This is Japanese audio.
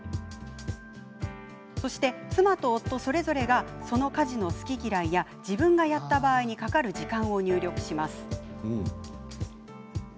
そして妻と夫それぞれがその家事の好き嫌いや自分がやった場合にかかる時間を入力します。